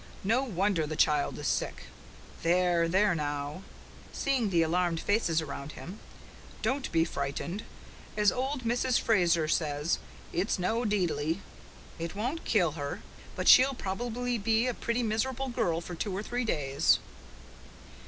"No wonder the child is sick. There there now " seeing the alarmed faces around him, "don't be frightened. As old Mrs. Fraser says, 'It's no deidly.' It won't kill her, but she'll probably be a pretty miserable girl for two or three days."